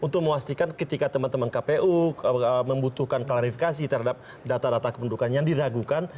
untuk memastikan ketika teman teman kpu membutuhkan klarifikasi terhadap data data kependudukan yang diragukan